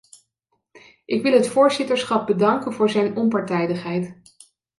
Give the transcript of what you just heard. Ik wil het voorzitterschap bedanken voor zijn onpartijdigheid.